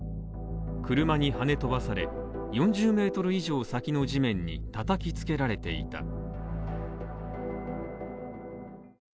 車にはね飛ばされ、４０ｍ以上先の地面にたたきつけられていた。